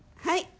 はい。